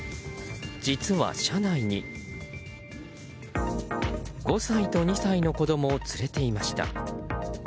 実は車内に、５歳と２歳の子供を連れていました。